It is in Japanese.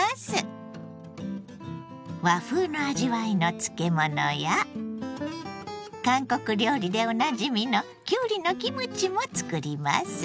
和風の味わいの漬物や韓国料理でおなじみのきゅうりのキムチもつくります。